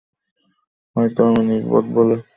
হয়তো আমি নির্বোধ বলে!